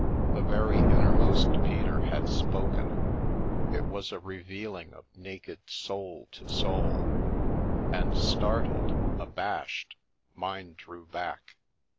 The very innermost Peter had spoken — it was a reveal ing of naked soul to soul, and startled, abashed, mine drew back.